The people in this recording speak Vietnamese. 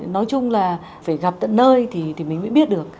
nói chung là phải gặp tận nơi thì mình mới biết được